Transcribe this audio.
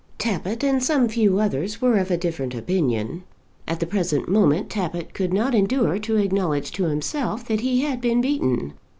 Tappitt and some few others were of a different opinion. At the present moment Tappitt could not endure to acknowledge to himself that he had been beaten.